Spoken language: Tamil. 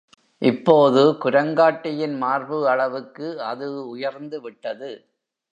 இப்போது குரங்காட்டியின் மார்பு அளவுக்கு அது உயர்ந்து விட்டது.